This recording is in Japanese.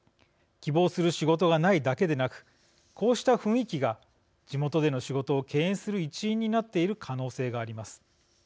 希望する仕事がないだけでなくこうした雰囲気が地元での仕事を敬遠する一因になっている可能性があります。